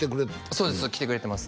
そうです来てくれてます